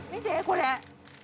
これ。